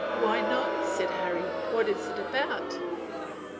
Why, no," said Harry. "What is it about?"